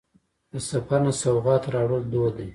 د سفر نه سوغات راوړل دود دی.